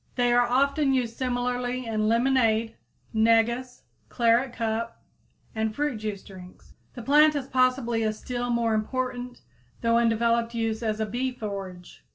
They are often used similarly in lemonade, negus, claret cup and fruit juice drinks. The plant has possibly a still more important though undeveloped use as a bee forage.